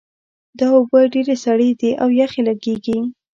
دا اوبه ډېرې سړې دي او یخې لګیږي